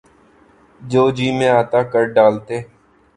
جو جی میں آتا کر ڈالتے۔